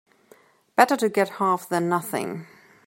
Better to get half than nothing.